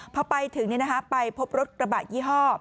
พอไปถึงไปพบรถกระบะยี่ห้อ